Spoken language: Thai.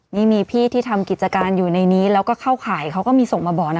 นี่มีพี่ที่ทำกิจการอยู่ในนี้แล้วก็เข้าข่ายเขาก็มีส่งมาบอกนะ